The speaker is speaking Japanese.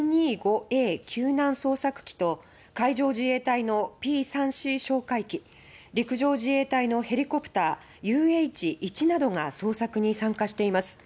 救難捜索機と海上自衛隊のＰー３Ｃ哨戒機陸上自衛隊のヘリコプターＵＨー１などが捜索に参加しています。